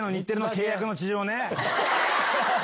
契約の事情。